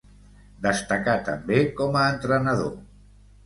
Destacà també com a entrenador.